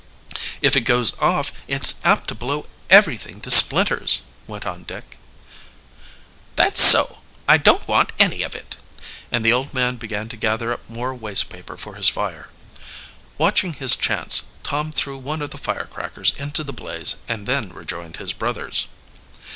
"If it goes off it's apt to blow everything to splinters," went on Dick. "That's so I don't want any of it," and the old man began to gather up more waste paper for his fire. Watching his chance, Tom threw one of the firecrackers into the blaze and then rejoined his brothers.